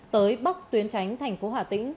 tới bắc tuyến tránh thành phố hà tĩnh